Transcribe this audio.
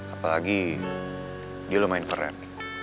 apalagi dia lumayan keren